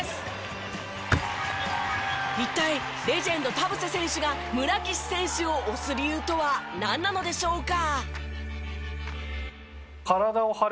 一体レジェンド田臥選手が村岸選手を推す理由とはなんなのでしょうか？